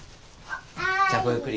じゃあごゆっくり。